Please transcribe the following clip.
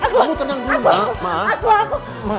kamu tenang dulu ma